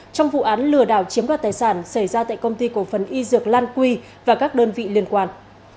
trong vụ án lừa đảo chiếm đoạt tài sản xảy ra tại công ty cổ phần y dược lan quy và các đơn vị liên quan